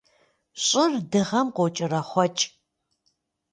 Щӏыр Дыгъэм къокӏэрэхъуэкӏ.